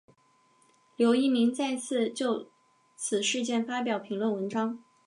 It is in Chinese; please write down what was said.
刘逸明再次就此事件发表评论文章。